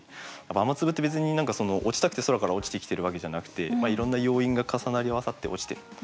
雨粒って別に何か落ちたくて空から落ちてきてるわけじゃなくていろんな要因が重なり合わさって落ちてる。